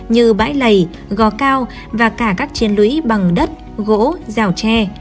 như bãi lầy gò cao và cả các chiến lũy bằng đất gỗ rào tre